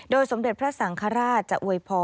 สมเด็จพระสังฆราชจะอวยพร